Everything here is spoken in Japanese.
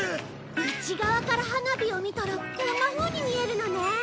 内側から花火を見たらこんなふうに見えるのね！